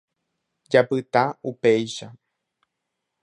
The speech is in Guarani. Japyta upéicha.